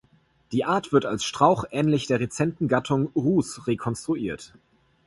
Die Art wird als Strauch ähnlich der rezenten Gattung "Rhus" rekonstruiert.